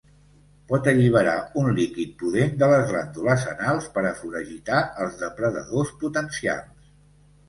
Pot alliberar un líquid pudent de les glàndules anals per a foragitar els depredadors potencials.